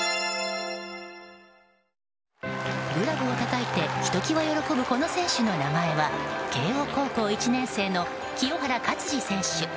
グラブをたたいてひときわ喜ぶ、この選手の名前は慶應高校１年生の清原勝児選手。